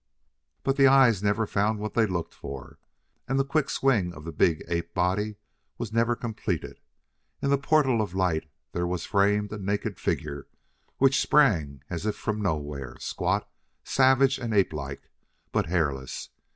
But the eyes never found what they looked for and the quick swing of the big ape body was never completed. In the portal of light there was framed a naked figure which sprang as if from nowhere, squat, savage and ape like, but hairless.